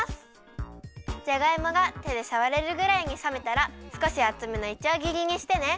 じゃがいもがてでさわれるぐらいにさめたらすこしあつめのいちょうぎりにしてね。